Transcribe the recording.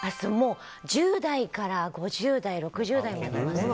１０代から５０代、６０代までいますね。